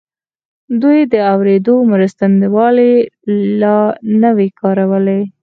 دوی د اورېدو مرستندويي الې نه وې کارولې.